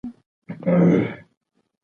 تعلیم به ژوند ښه کړي.